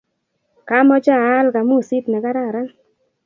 kamoche aal kamusit nekararan.